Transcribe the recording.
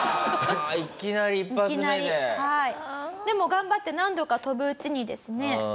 でも頑張って何度か飛ぶうちにですね。